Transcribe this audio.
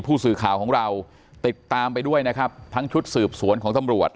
ผู้สื่อข่าวของเราติดตามไปด้วยนะครับทั้งชุดสืบสวนของตำรวจ